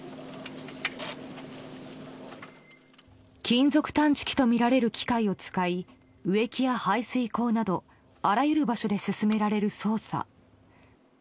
金属探知機とみられる機械を使い植木や排水溝などあらゆる場所で進められる捜査。